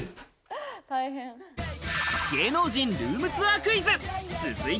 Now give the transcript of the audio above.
芸能人ルームツアークイズ。